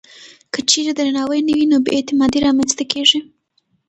که چېرې درناوی نه وي، نو بې اعتمادي رامنځته کېږي.